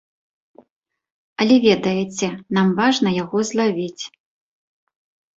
Але ведаеце, нам важна яго злавіць.